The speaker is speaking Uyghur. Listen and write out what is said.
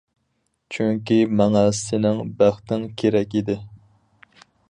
چۈنكى ماڭا سېنىڭ بەختىڭ كېرەك ئىدى.